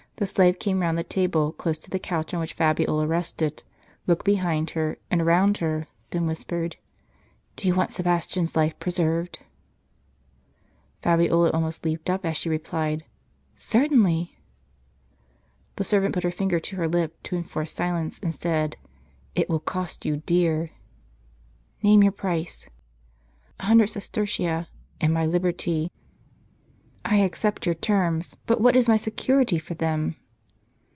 The slave came round the table, close to the couch on which Fabiola rested, looked behind her, and around her, then whispered, " Do you want Sebastian's life pre served ?" Fabiola almost leaped up, as she replied, " Certainly." urr The servant put her finger to her lip, to enforce silence, and said, " It will cost dear." "Name your j)rice." "A hundred sestertia* and my liberty." "I accept your terms; but what is my security for them